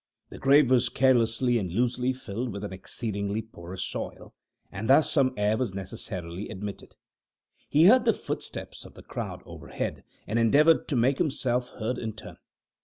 The grave was carelessly and loosely filled with an exceedingly porous soil; and thus some air was necessarily admitted. He heard the footsteps of the crowd overhead, and endeavored to make himself heard in turn.